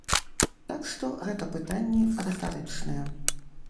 Так што гэта пытанні рытарычныя.